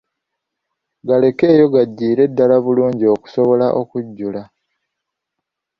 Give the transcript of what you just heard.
Galekeyo gajjire ddala bulungi okusobola okujjula.